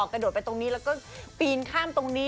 กระโดดไปตรงนี้แล้วก็ปีนข้ามตรงนี้